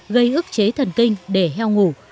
gây ức chế thần kinh để heo ngủ